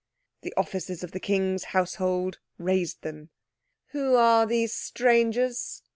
The officers of the King's household raised them. "Who are these strangers?"